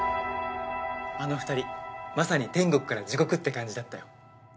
あの２人まさに天国から地獄って感じだったよ。